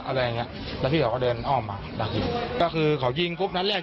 อะไรอย่างเงี้ยแล้วพี่เขาก็เดินอ้อมมาดักยิงก็คือเขายิงปุ๊บนัดแรก